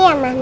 yang itu kan